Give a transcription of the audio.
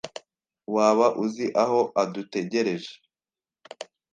Waba uzi aho adutegereje?